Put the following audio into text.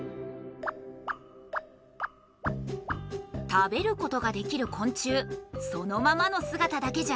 食べることができる昆虫そのままのすがただけじゃありません。